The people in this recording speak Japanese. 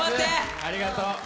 ありがとう。